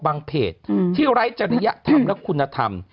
เพจที่ไร้จริยธรรมและคุณธรรม